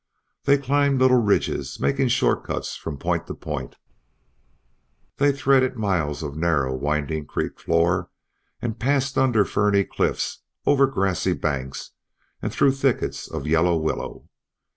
They climbed little ridges, making short cuts from point to point, they threaded miles of narrow winding creek floor, and passed under ferny cliffs and over grassy banks and through thickets of yellow willow.